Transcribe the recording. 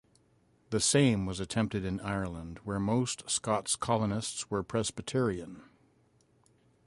The same was attempted in Ireland, where most Scots colonists were Presbyterian.